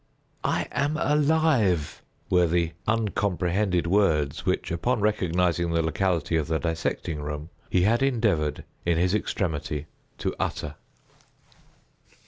"I am alive," were the uncomprehended words which, upon recognizing the locality of the dissecting room, he had endeavored, in his extremity, to utter.